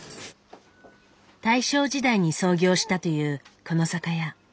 大正時代に創業したというこの酒屋。